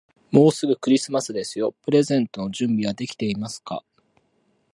もうすぐクリスマスですよ。プレゼントの準備はできていますか。